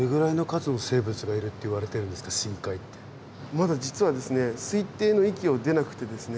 まだ実は推定の域を出なくてですね